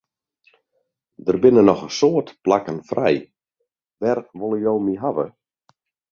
Der binne noch in soad plakken frij, wêr wolle jo my hawwe?